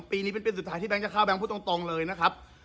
ปีนี้เป็นปีสุดท้ายที่แก๊งจะเข้าแก๊งพูดตรงเลยนะครับ